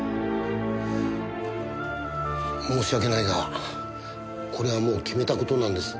申し訳ないがこれはもう決めた事なんです。